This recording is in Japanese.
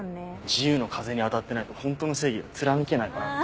自由の風に当たってないと本当の正義は貫けないからな。